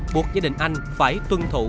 buộc gia đình anh phải tuân thủ